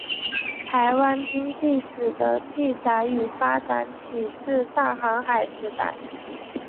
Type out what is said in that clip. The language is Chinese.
台湾经济史的记载与发展起自大航海时代。